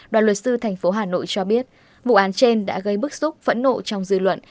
đoàn luật sư thành phố hà nội cho biết vụ án trên đã gây bức xúc phẫn nộ trong dư luận